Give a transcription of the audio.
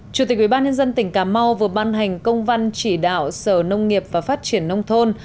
chủ tịch ubnd tỉnh cà mau vừa ban hành công văn chỉ đạo sở nông nghiệp và phát triển nông thôn